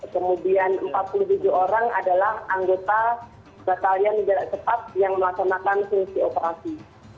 kemudian empat puluh tujuh orang adalah anggota batalia negara cepat yang melaksanakan fungsi operasi